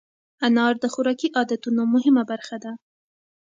انار د خوراکي عادتونو مهمه برخه ده.